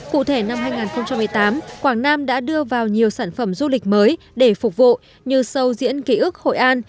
cụ thể năm hai nghìn một mươi tám quảng nam đã đưa vào nhiều sản phẩm du lịch mới để phục vụ như sâu diễn ký ức hội an